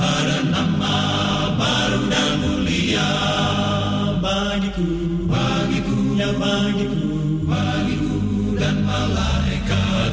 ada nama baru dan mulia bagiku dan malaikat